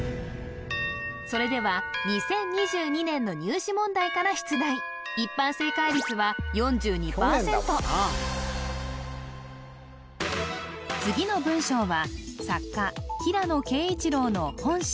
それでは２０２２年の入試問題から出題次の文章は作家平野啓一郎の「本心」